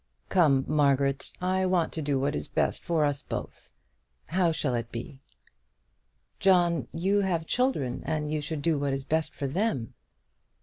"Come, Margaret; I want to do what is best for us both. How shall it be?" "John, you have children, and you should do what is best for them."